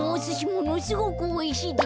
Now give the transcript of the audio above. ものすごくおいしいで。